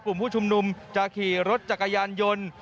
กลุ่มผู้ชุมนุมจะขี่รถจักรยานยนต์